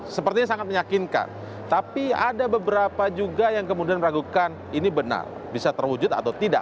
sepertinya sangat meyakinkan tapi ada beberapa juga yang kemudian meragukan ini benar bisa terwujud atau tidak